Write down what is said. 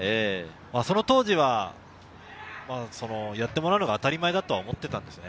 その当時はやってもらうのが当たり前だと思ってたんですね。